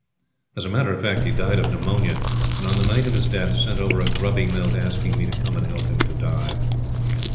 As a matter of fact, he died of pneumonia; and on the night of his death sent over a grubby note asking me to come and help him to die.